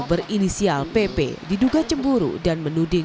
berinisial pp diduga cemburu dan menuding